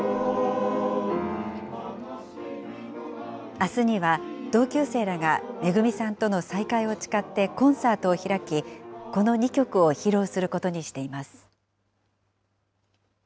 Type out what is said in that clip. あすには同級生らがめぐみさんとの再会を誓ってコンサートを開き、この２曲を披露することにしています。